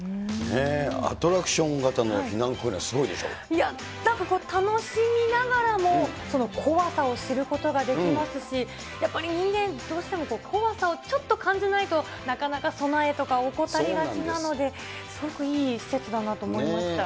アトラクション型の避難訓練、なんか楽しみながらも怖さを知ることができますし、やっぱり人間、どうしても怖さをちょっと感じないと、なかなか備えとか怠りがちなので、すごくいい施設だなと思いました。